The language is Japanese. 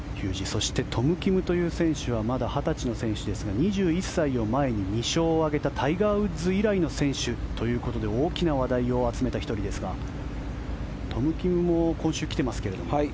そして、トム・キムという選手はまだ２０歳の選手ですが２１歳を前に２勝を挙げたタイガー・ウッズ以来の選手ということで大きな話題を集めた１人ですがトム・キムも今週来ていますけども。